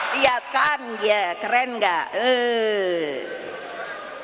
lihat kan keren gak